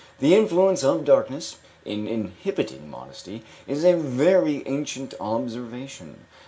This influence of darkness in inhibiting modesty is a very ancient observation.